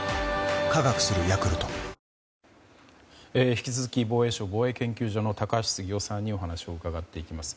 引き続き防衛省防衛研究所の高橋杉雄さんにお話を伺っていきます。